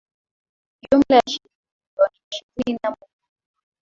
Jumla ya shilingi milioni ishirini na moja.